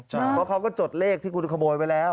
เพราะเขาก็จดเลขที่คุณขโมยไว้แล้ว